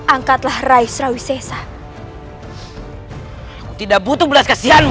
angkatlah rai surawi sesak tidak butuh belas kasihanmu